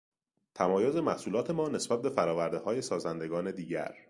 تمایز محصولات ما نسبت به فرآوردههای سازندگان دیگر